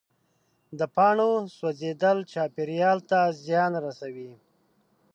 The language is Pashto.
د پاڼو سوځېدل چاپېریال ته زیان رسوي.